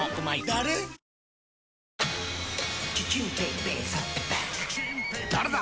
誰だ！